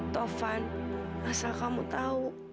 tovan asal kamu tahu